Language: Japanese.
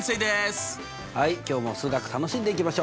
はい今日も数学楽しんでいきましょう。